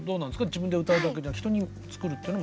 自分で歌うだけじゃなく人に作るっていうのもあるんですか？